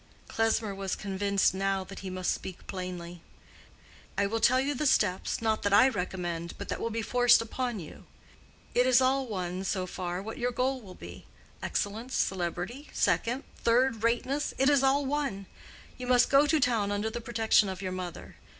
Klesmer was convinced now that he must speak plainly. "I will tell you the steps, not that I recommend, but that will be forced upon you. It is all one, so far, what your goal will be—excellence, celebrity, second, third rateness—it is all one. You must go to town under the protection of your mother.